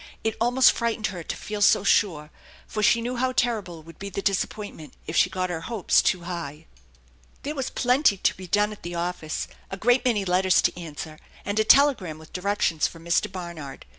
It almost frightened her to feel so sure, for she knew how terrible would be the disappointment if she got her hopes too high. There was plenty to be done at the office, a great many letters to answer, and a telegram with directions from Mr. Barnard.